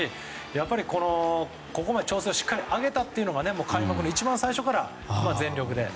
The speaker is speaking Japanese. やっぱりここまで調整をしっかり上げたというのが開幕の一番最初から全力で。